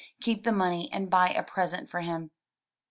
Keep the money and buy a present for him.